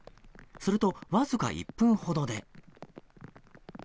すると、僅か１分ほどで。